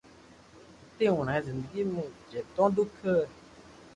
ھتي اوڻي زندگي مون جيتو دوک